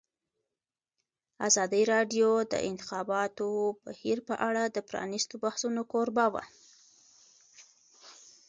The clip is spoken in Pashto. ازادي راډیو د د انتخاباتو بهیر په اړه د پرانیستو بحثونو کوربه وه.